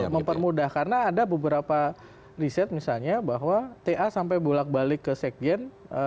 mempermudah karena ada beberapa riset misalnya bahwa ta sampai bolak balik ke sekjen